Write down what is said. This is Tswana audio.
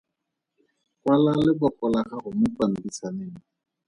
Kwala leboko la gago mo pampitshaneng.